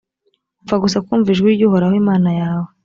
upfa gusa kumvira ijwi ry’uhoraho imana yawe,